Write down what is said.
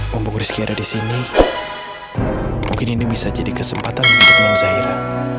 walaupun rizky ada disini mungkin ini bisa jadi kesempatan untuk nonzaira